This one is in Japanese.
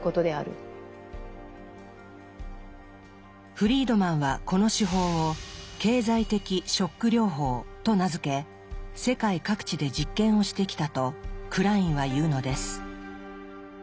フリードマンはこの手法を「経済的ショック療法」と名付け世界各地で実験をしてきたとクラインは言うのです。